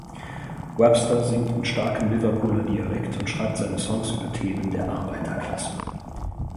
Webster singt in starkem Liverpooler Dialekt und schreibt seine Songs über Themen der Arbeiterklasse.